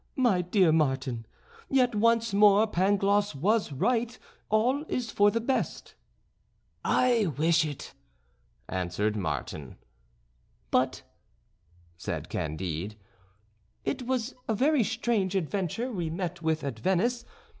My dear Martin, yet once more Pangloss was right: all is for the best." "I wish it," answered Martin. "But," said Candide, "it was a very strange adventure we met with at Venice.